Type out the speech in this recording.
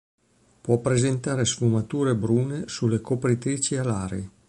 Può presentare sfumature brune sulle copritrici alari.